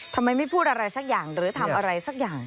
ทำไมไม่พูดอะไรสักอย่างหรือทำอะไรสักอย่าง